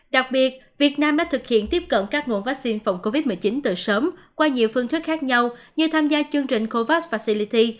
đặc biệt việt nam đã thực hiện tiếp cận các nguồn vaccine phòng covid một mươi chín từ sớm qua nhiều phương thức khác nhau như tham gia chương trình covax và celity